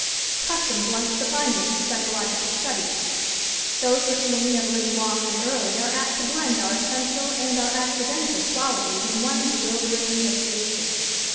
Custom blunts the fineness of psychological study: those with whom we have lived long and early are apt to blend our essential and our accidental qualities in one bewildering association.